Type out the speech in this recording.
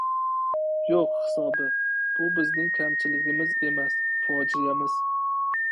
Yo‘q hisobi. Bu bizning kamchiligimiz emas, fojiamiz.